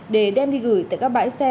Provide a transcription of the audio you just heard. để đem đi gửi tới các bãi xe